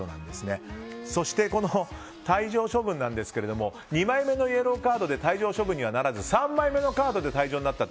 そして、この退場処分ですが２枚目のイエローカードで退場処分にはならず３枚目のカードで退場になったと。